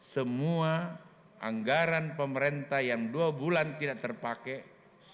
semua anggaran pemerintah yang dua bulan tidak terpakai